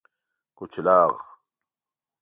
کچلاغ